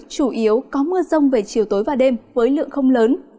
chủ yếu có mưa rông về chiều tối và đêm với lượng không lớn